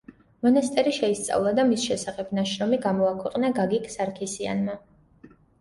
მონასტერი შეისწავლა და მის შესახებ ნაშრომი გამოაქვეყნა გაგიკ სარქისიანმა.